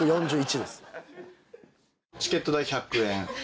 チケット代１００円。